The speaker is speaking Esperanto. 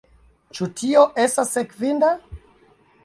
Ĉu tio estas sekvinda?